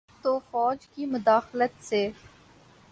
تو فوج کی مداخلت سے۔